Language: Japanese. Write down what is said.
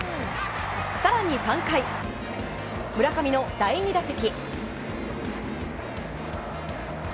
更に３回、村上の第２打席。